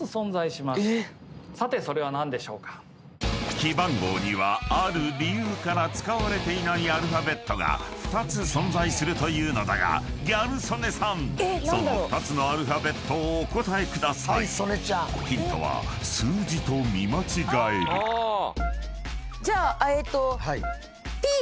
［記番号にはある理由から使われていないアルファベットが２つ存在するというのだがギャル曽根さんその２つのアルファベットをお答えください］じゃあえーっと。